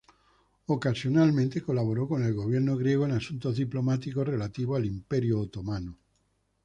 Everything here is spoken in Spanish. Ocasionalmente colaboró con el Gobierno griego en asuntos diplomáticos relativos al Imperio otomano.